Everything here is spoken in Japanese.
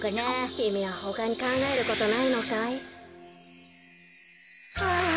きみはほかにかんがえることないのかい？はあ。